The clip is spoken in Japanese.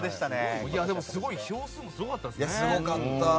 票数もすごかったですね。